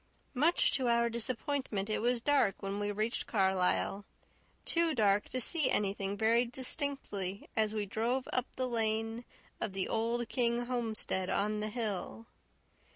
Much to our disappointment it was dark when we reached Carlisle too dark to see anything very distinctly, as we drove up the lane of the old King homestead on the hill.